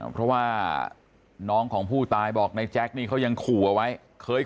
เพราะว่าน้องของผู้ตายบอกในแจ็คนี่เขายังขู่เอาไว้เคย